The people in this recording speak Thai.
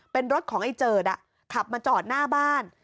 เป็นรถของไอ้เจิดขับมาจอดหน้าบ้าน